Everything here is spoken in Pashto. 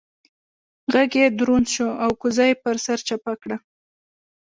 غږ يې دروند شو او کوزه يې پر سر چپه کړه.